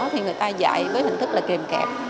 thì người ta dạy với hình thức là kìm kẹp